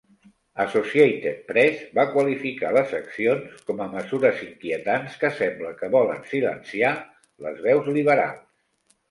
Associated Press va qualificar les accions com a "mesures inquietants que sembla que volen silenciar les veus liberals".